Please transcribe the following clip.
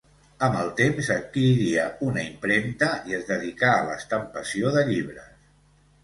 Amb el temps adquiriria una impremta i es dedicà a l'estampació de llibres.